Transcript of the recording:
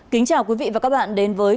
kính chào quý vị và các bạn đến với